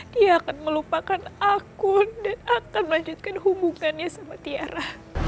dia akan melupakan akun dan akan melanjutkan hubungannya sama tiara